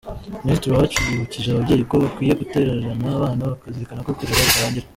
Minisitiri Uwacu yibukije ababyeyi ko bakwiye gutererana abana bakazirikana ko kurera bitarangira.